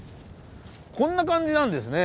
こんな感じなんですね。